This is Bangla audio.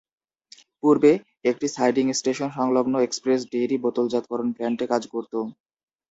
পূর্বে, একটি সাইডিং স্টেশন সংলগ্ন এক্সপ্রেস ডেইরি বোতলজাতকরণ প্ল্যান্টে কাজ করত।